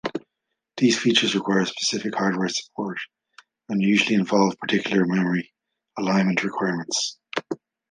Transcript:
These features require specific hardware support and usually involve particular memory alignment requirements.